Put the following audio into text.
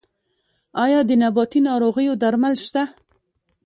آیا د نباتي ناروغیو درمل شته؟